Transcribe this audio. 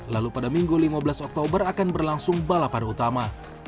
lalu pada minggu lima belas oktober akan berlangsung balapan utama